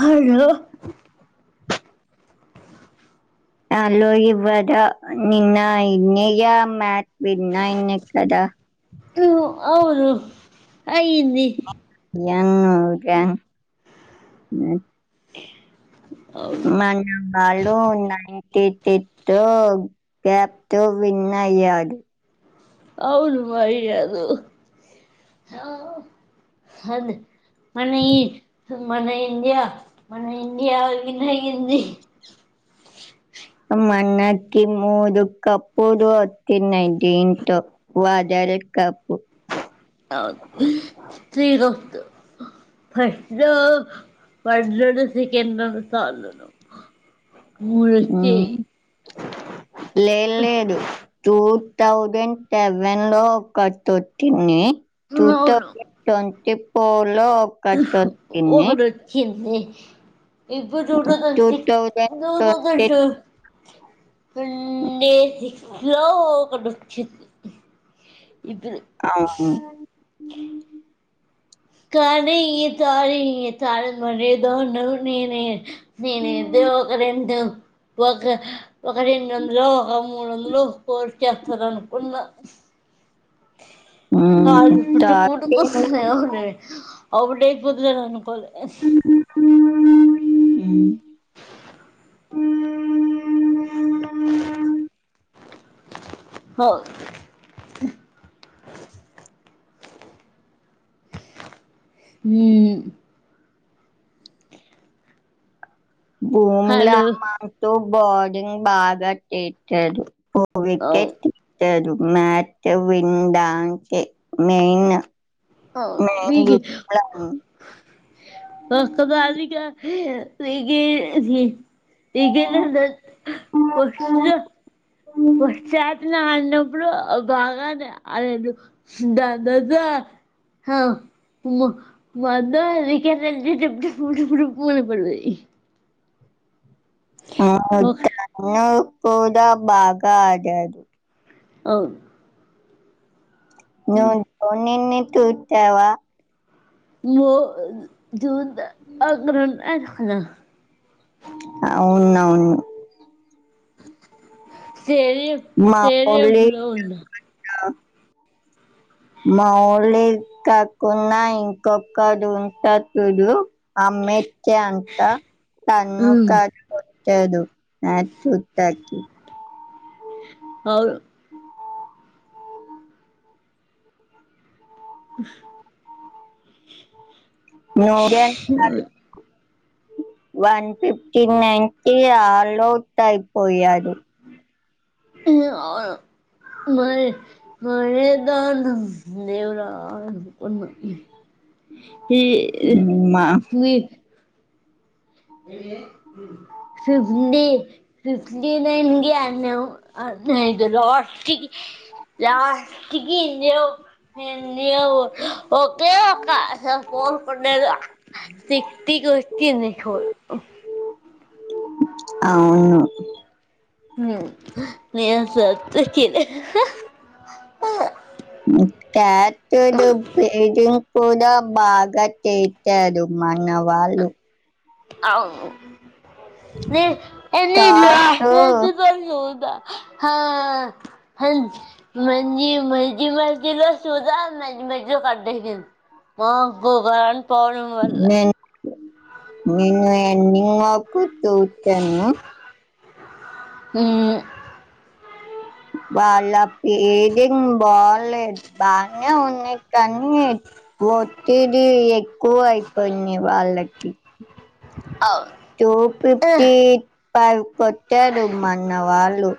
హయ్యె hello ఇవ్వదా నిన్న ఇన్న్య మ్యాచ్ విన్నా ఇన్ని కదా అవును అయ్యింది ఏనుకా [inaudible] అవును మ నా వాళ్ళు ఉన్నాయి టి తిట్టు క్యాప్ తో విన్ అయ్యాడు అవును మరి అదు అదే మన ఈ మన ఇ ఇండియా మన ఇండియా విన్ అయింది మనకి మూడు కప్పు వచ్చినాయి దీంతో వరల్డ్ కప్పు అవ్ తిను ప్రెండ్ ఉ వండ్లు అన్ని ప్రీ ఎన్నాడు సాలును ముడుచ్చె [inaudible] లేయ్ లేదు టూ థౌజండ్ సెవెన్ లో ఒకటి వచ్చింది టూ అవును థౌజండ్ ట్వంటీ పోర్ లో ఒకటి వొచ్చింది ుష్ ఇప్పుడు two thousand six thousand two twenty thousand seven వుండేసి లొ వకటి వచ్చింది ఇద్దరు అవును కానీ ఇ సా [unintelligible] రి తార మరిేద న ననే నేను ఎదో ఒక రెండు ఒక ఒక రెండు వందలు ఒక మూడు వందలు పొర్ చెత్తారానుకున్న మ్మ్ హవును పుట్ట కూట కోసం ఏముంది అవుప్పుడేపోద్దు [unintelligible] జ అనుకోల ఆస్ [unintelligible] [unintelligible] హొవ్ మూ బూంగ్లా హలో మాతో బార్డింగ్ బాగా కట్టింటారు ఒక అవును వికెట్ మ్యాచ్ విందండానికే మెయిన్ అవు మెయిన్ మీకి గుర్తులను. వస్తద ది [unintelligible] క నికీ ఎహీ ఇకలంద ప [unintelligible] వచ్చాదు నాన్న ఇప్పుడు బాగానే అ దాదాద మా [unintelligible] ఆ కూడా బాగా ఆడాడు అవును ను ద నిన్ని టుట్టావా ఓ [unintelligible] అవును అవును తరే మా ఊళ్ళి తరేలో ఉన్నా మౌళి కాకుడా ఇంకొకడు ఉంటాడు చూడు అమ్మెచ్చ అంత తను క హ్మ్ తడు నాథ్ ఉతకి అవును ఉ ఆ నూడి [inaudible] వన్ ఫిఫ్టీ నై కి ఆల్ అవుట్ అయిపోయారు అవును మ మరేదా దేవురాకున్నా హ మా మీ ఫిఫ్టీ ఫిఫ్టీ నైన్ గే ఆడినం అన్న అన్న లాస్ట్ లాస్ట్కి [unintelligible] ఒకే ఒక్క ఫోర్ కొట్టారు సిస్టీ కి వచ్చింది స్కోర్ ఆహ అవును నేను [unintelligible] టట్డు పెట్టు కూడా బాగా తెట్టారు మన వాళ్ళు అవును నే ఎని తాతు ఇల్ ఎదువుదా హ మంజు మధ్య మధ్యలో సుధా మధ్య మధ్యలో బర్త్డే వెళ్తోంది పోవడం వల్ల నేను నేను ఎన్ని నాకు తూచాను మ్మ్ వాళ్ళ పేదెం బాలేదు బనే ఉన్ని కానీ వట్టిది కో అయిపోయింది వాళ్ళకి అవును టూ ఉహ్ ఫిఫ్టీ పైవ్ కొట్టాడు మన్న వాళ్ళు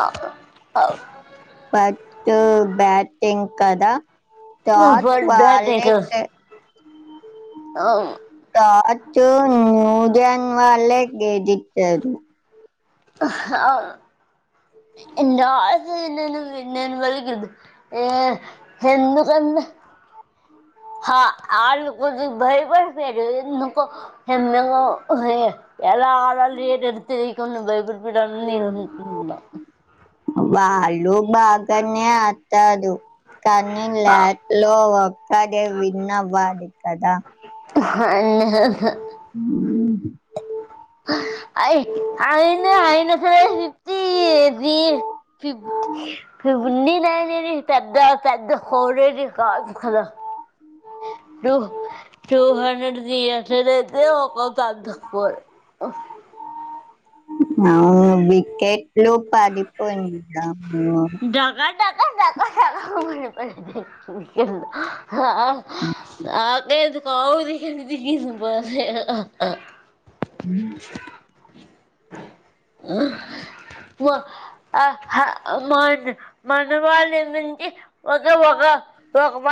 అఓ అవు బట్ బ్యాటింగ్ కదా నా తాత్ బర్త్డే వాళ్లకే అవు పాటు న్యూజం వాళ్ళ గదిట్టారు అ [unintelligible] ఆ ఆళ్లు భయపడిపోయారు ఎందుకు ఎంతంగా ఎలా ఆడాల ఏ ఎతేయికు బైబిల్ పెడ [unintelligible] వాళ్ళు బాగానే ఆతదు కానీ లాట్ లో ఒక్కడే విన్ అవ్వాలి కదా ఆ యా హే హ అయి ఆయన ఆయనస ఫిఫ్తిది నీ నాయన పెద్ద పెద్ద కోడలు కాదు కదా టూ టూ హండ్రెడ్ తీయట్ అయితే ఒక పంది తక్కువ అవును వికెట్ లో పాడిపోయింది డగా డగా డాక్ లా పడి నాకే ఎది కాది పోల ఉ ఊ ఆ మన మనవాళ్ళి నుంచి ఒక ఒక ఒక ప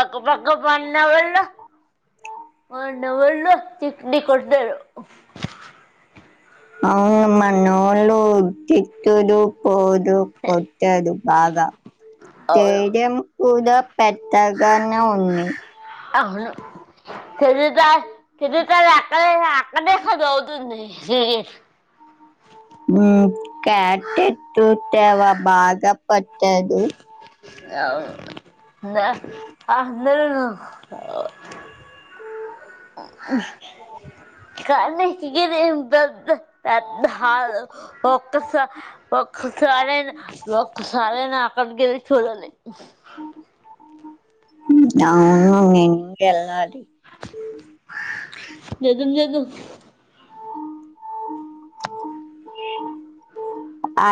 ఒక పక్క పన్న వాళ్ల పన్న వాళ చట్నీ కొట్టారు అవును మనోలుటి తిట్టుడు పోదు కొట్టదు బాగా అవును తేజం కూడాద పెట్టగాన్న ఉణి తది త తది త అక్కడ అక్కడే సదౌతు సి ఉ కటెత్త తవ భాగాపట్టడు అవు నంద అందరూ హు [unintelligible] పెద్ద పెద్ద హాలు ఒక్కసారే ఒక్కసారే అక్కడికి వెళ్ళి చూడాలి అవును నేను వెళ్ళాలి జదు జదు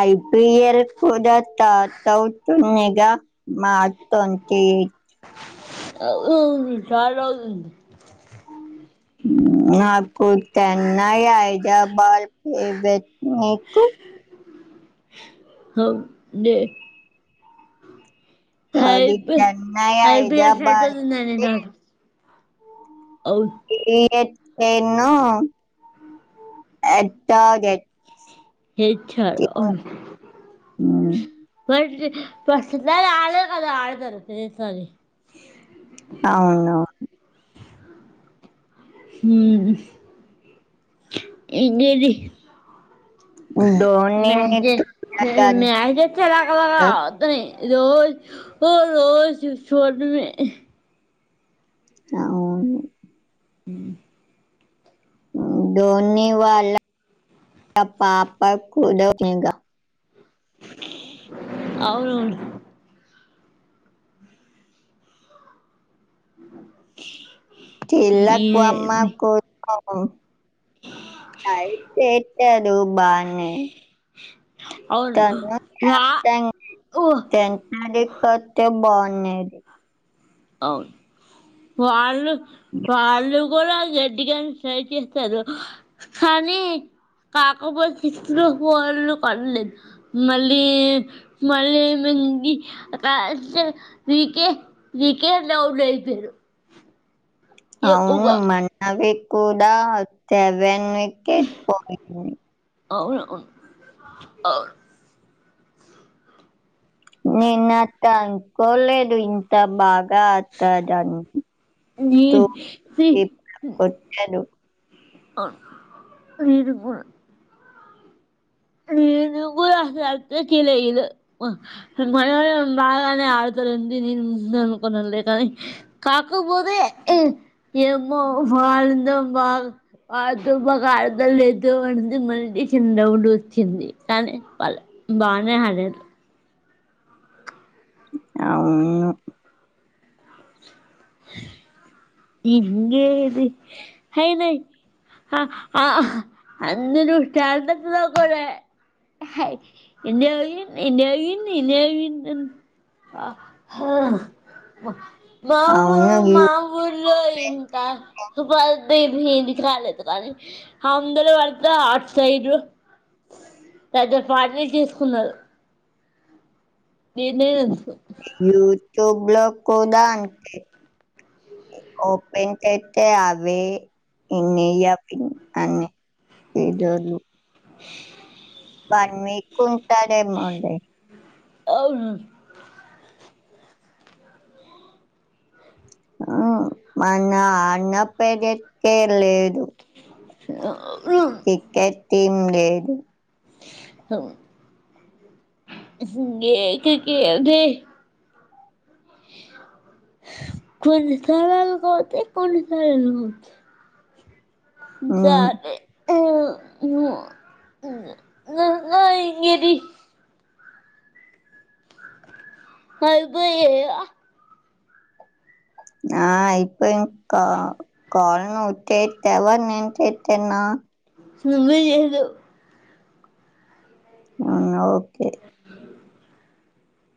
ఐ ప్రియర్ త [unintelligible] [unintelligible] [unintelligible] నాకు చెన్నై, హైదరాబాద్ ఫేవరెట్ నీకు హబ్ నే తది హైబి చెన్నై, ఐబిఎస్ ఎట్ హైదరాబాద్ అవుతుందండి తి నాకు అవును ఏ టెన్ను ఎట్టగ తెచ్చాను మనిషి ఫస్ట్ సారి అల్లే కదా అడ్తారు సెకండ్ సారి అవునవును ఉ ఇంకేటి ధోనిని మజ చూడగలుగుతా మహజ చలాగ అలాగా వద్దని రోజు ఓ రోజు చూడమే అవును ఉ ధోని వాళ్ళ పాప కూడా అవునవును [inaudible] ఏమి ఇల్లాకుమ్మాకు పాపం అయితే అ [unintelligible] నువ్వు బానే అ [unintelligible] ఓ [unintelligible] మ్యాచ్ అవును వాళ్ళు వాళ్ళు కూడా గట్టిగానే ట్రై చేస్తారు కానీ కాకపోతే సిక్స్ లు ఫోర్లు పలేదు మళ్ళీ మళ్ళీ ఏంది మ్యాచ్ మీకే వికెట్లు అవుట్ అయిపోయిరు అవును మన్నవి కూడా అత్తే వెన్ వికెట్ పోయింది అవును అవు నేను అట్ట అనుకోలేదు ఇంత బాగ్ గా ఆడుతారని అవును [unintelligible] అ నేను కూడా నేను కూడా అసలు లే మ మనోళ్ళు బాగానే ఆడుతరని నేను అనుకున్నా లే కానీ కాకపోతే ఏమో వాడిందో బాగా ఆడుత బాగా ఆడత లేదు అంటంది మళ్ చిన్నగా ఉండు చింది కానీ ప బానే ఆడారు అవును ఇంగేది అయిన ఆ ఆ అందరు స్టార్టింగ్ లో కూడా నో విన్ నో విన్ద వావ్ అవును మా యూ- ఊళ్లో ఇంకా సుబా అ ఇది ఇంటికి రాలేదు కానీ అందరు వాడత అట్ సైడు పెద్ద పార్టీ చేసుకున్నారు నే నేనుతు ట్యూబ్ లోక్ కూదాన్ అంటే, ఓపెన్ చేత్తే అవ్వే [unintelligible] అని ఏజోలు [unintelligible] బాన్ మీకు ట్టాడ్ ఏమో అండి. అవును ప్చ్ ఆ మన్నా, అన్న ప్పేర్ చేప్ పేర్ లేదు. [unintelligible] తీమ్ లేదు. హహ్మ్ ఏకెకిదె కొన్ని [unintelligible] కోతే కొన్ని [unintelligible] కొతే హ్మ్ ఉమ్, సారి [unintelligible] ఇంగా ఇంగిది. కల్బు లేదా నాయ్ పోయింకా కాల్ ను ఉట్టే, తేవర్ నుంచి చేత్ చెన్నా నువ్వే ఏదో అవున ఓకే